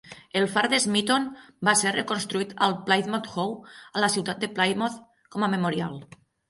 El far de Smeaton va ser reconstruït al Plymouth Hoe,a la ciutat de Plymouth, com a memorial.